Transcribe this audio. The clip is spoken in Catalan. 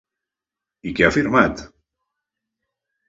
I què ha afirmat?